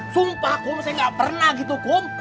sumpah kum saya gak pernah gitu kum